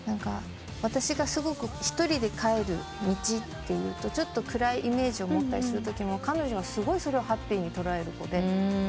私が一人で帰る道っていうとちょっと暗いイメージを持ったりするときも彼女はすごいそれをハッピーに捉える子で。